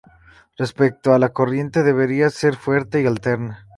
Respecto a la corriente, deberá ser fuerte y alterna.